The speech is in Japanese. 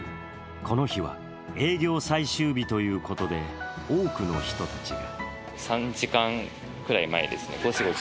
この日は営業最終日ということで、多くの人たちが。